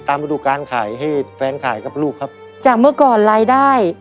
กระดูกการขายให้แฟนขายกับลูกครับจากเมื่อก่อนรายได้